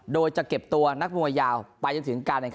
โดยจะเก็บตัวนักมวยยาวไปจนถึงการแข่งขัน